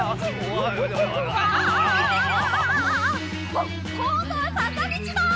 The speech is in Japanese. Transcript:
あっこんどはさかみちだ！